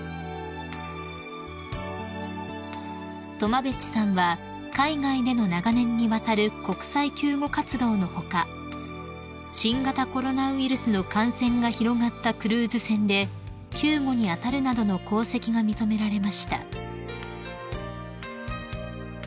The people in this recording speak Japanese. ［苫米地さんは海外での長年にわたる国際救護活動の他新型コロナウイルスの感染が広がったクルーズ船で救護に当たるなどの功績が認められました］